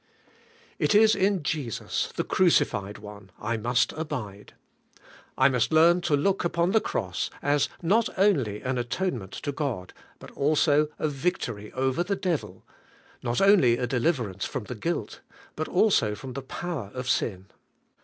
It is in Jesus, the Crucified One, I must abide. I THE CRUCIFIED ONE. 89 must learn to look upon the Cross as not only an atonement to God, but also a victory over the devil, — not only a deliverance from the guilt, but also from the power of sin.